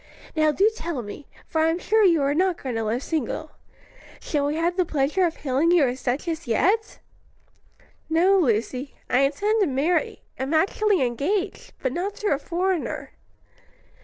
"Now do tell me; for I'm sure you are not going to live single. Shall we have the pleasure of hailing you as duchess yet?" "No, Lucy; I intend to marry; am actually engaged, but not to a foreigner."